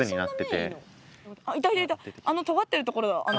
あのとがってるところだ穴。